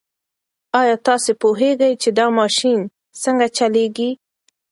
ایا تاسو پوهېږئ چې دا ماشین څنګه چلیږي؟